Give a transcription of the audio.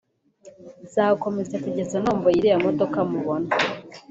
nzakomeza kugeza ntomboye iriya modoka mubona